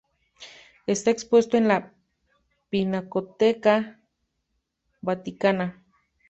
Está expuesto en la Pinacoteca Vaticana.